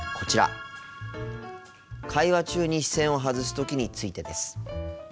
会話中に視線を外すときについてです。